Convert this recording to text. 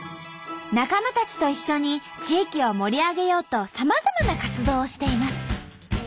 仲間たちと一緒に地域を盛り上げようとさまざまな活動をしています。